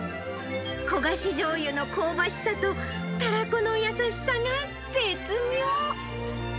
焦がしじょうゆの香ばしさとたらこの優しさが絶妙。